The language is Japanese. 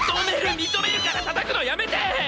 認めるからたたくのやめて！